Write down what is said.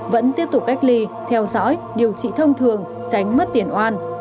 vẫn tiếp tục cách ly theo dõi điều trị thông thường tránh mất tiền oan